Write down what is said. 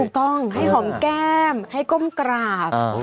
ต้องให้หอมแก้มให้ก้มกราบ